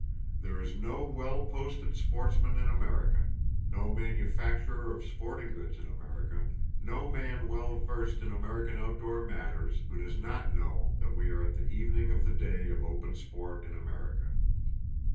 There is no well posted sportsman in America, no manufacturer of sporting goods in America, no man well versed in American outdoor matters, who does not know that we are at the evening of the day of open sport in America.